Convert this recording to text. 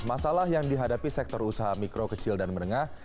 masalah yang dihadapi sektor usaha mikro kecil dan menengah